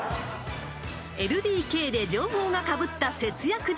［『ＬＤＫ』で情報がかぶった節約術